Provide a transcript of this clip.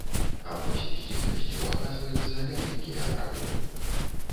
А вось з дзейнасцю, аказваецца, вялікія праблемы.